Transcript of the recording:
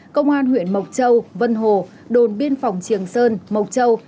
công an huyện mộc châu vân hồ đồn biên phòng triềng sơn mộc châu